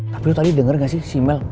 tapi lo tadi denger gak sih si mel